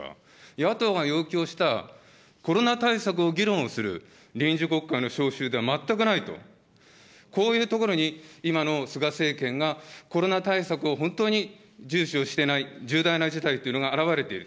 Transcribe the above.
野党が要求をしたコロナ対策を議論をする臨時国会の召集では全くないと、こういうところに今の菅政権がコロナ対策を本当に重視をしていない、重大な事態っていうのが表れている。